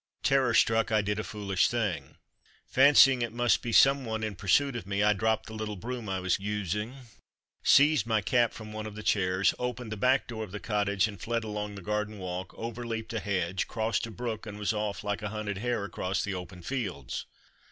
Terror struck, I did a foolish thing. Fancying it must be some one in pursuit of me, I dropped the little broom I was using, seized my cap from one of the chairs, opened the back door of the cottage, and fled along the garden walk, over leaped a hedge, crossed a brook, and was off like a hunted hare across the open fields.